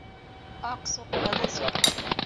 Аҡ суҡ, ҡыҙыл суҡ